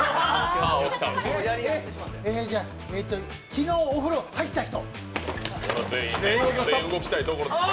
昨日お風呂入った人。